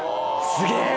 すげえ！